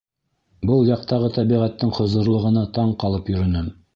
Был яҡтағы тәбиғәттең хозурлығына таң ҡалып йөрөнөм.